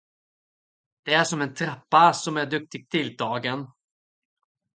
Det är som en trappa, som är duktigt tilltagen.